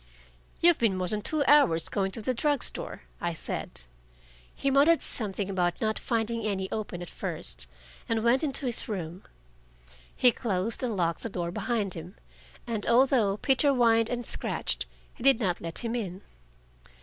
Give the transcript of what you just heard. "You've been more than two hours going to the drug store," I said. He muttered something about not finding any open at first, and went into his room. He closed and locked the door behind him, and although Peter whined and scratched, he did not let him in.